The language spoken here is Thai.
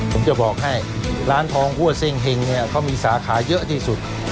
ผมจะบอกให้ร้านทองหัวเส้งเห็งเนี่ยเขามีสาขาเยอะที่สุด